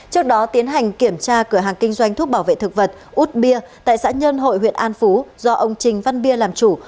trước đó tiến hành kiểm tra cửa hàng kinh doanh thuốc bảo vệ thực vật út bia tại xã nhân hội huyện an phú do ông trình văn bia làm chủ